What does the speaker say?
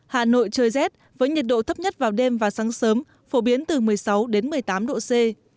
hà nội trời rét với nhiệt độ thấp nhất vào đêm và sáng sớm phổ biến từ một mươi sáu đến một mươi tám độ c